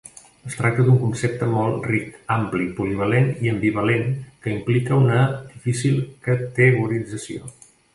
Es tracta d'un concepte molt ric, ampli, polivalent i ambivalent que implica una difícil categorització.